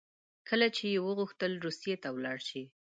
کله چې یې وغوښتل روسیې ته ولاړ شي.